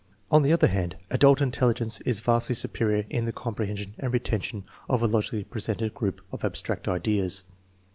On the other hand, adult intelligence is vastly su perior in the comprehension and retention of a logically presented group of abstract ideas.